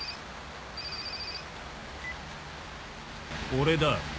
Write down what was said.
俺だ。